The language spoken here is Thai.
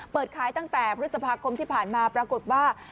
เปิดขายตั้งแต่พฤษภาคมที่ผ่านมาปรากฏว่า